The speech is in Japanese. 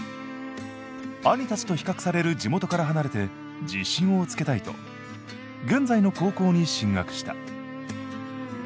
兄たちと比較される地元から離れて自信をつけたいと現在の高校に進学した。